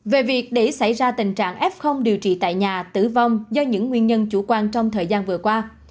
về việc để xảy ra tình trạng f điều trị tại nhà tử vong do những nguyên nhân chủ quan trong thời gian vừa qua